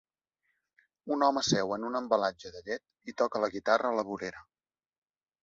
Un home seu en un embalatge de llet i toca la guitarra a la vorera.